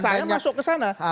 saya masuk ke sana